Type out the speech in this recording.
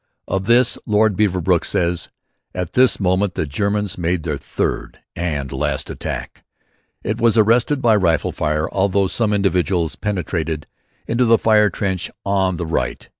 Of this Lord Beaverbrook says: "At this moment the Germans made their third and last attack. It was arrested by rifle fire, although some individuals penetrated into the fire trench on the right.